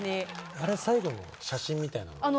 あれ最後の写真みたいなの。